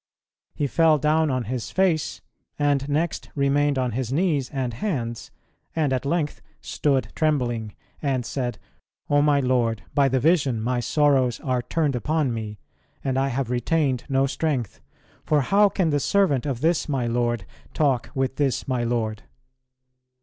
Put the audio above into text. He fell down on his face, and next remained on his knees and hands, and at length "stood trembling," and said "O my Lord, by the vision my sorrows are turned upon me, and I have retained no strength. For how can the servant of this my Lord talk with this my Lord?"